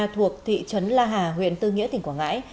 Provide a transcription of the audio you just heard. thuộc thị trấn la hà huyện tư nghĩa tỉnh quảng ngãi